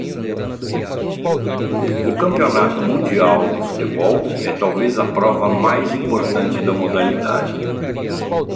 O Campeonato Mundial de Futebol é talvez a prova mais importante da modalidade.